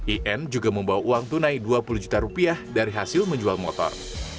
in juga membawa uang tunai dua puluh juta rupiah dari hasil menjual motor